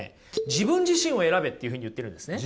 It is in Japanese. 「自分自身を選べ」というふうに言ってるんですね。